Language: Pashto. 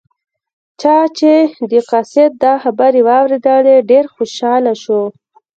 پاچا چې د قاصد دا خبرې واوریدلې ډېر خوشحاله شو.